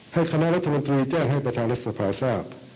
คณะรัฐมนตรีแจ้งให้ประธานรัฐสภาทราบ